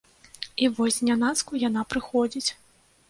І вось знянацку яна прыходзіць.